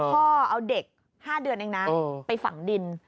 พ่อเอาเด็ก๕เดือนเองนะไปฝังดิน